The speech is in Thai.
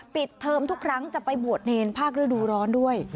เทิมทุกครั้งจะไปบวชเนรภาคฤดูร้อนด้วย